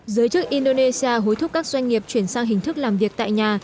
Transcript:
giới chức indonesia hối thúc các doanh nghiệp chuyển sang hình thức làm việc tại nhà